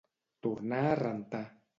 Tornar a rentar.